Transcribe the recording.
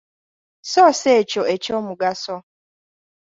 Soosa ekyo eky'omugaso.